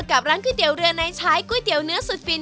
กับร้านก๋วยเตี๋ยเรือในใช้ก๋วยเตี๋ยวเนื้อสุดฟิน